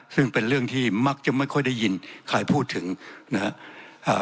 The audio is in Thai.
ซึ่งเป็นเรื่องที่มักจะไม่ค่อยได้ยินใครพูดถึงนะฮะอ่า